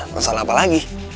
masalah apa lagi